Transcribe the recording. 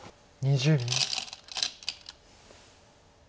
２０秒。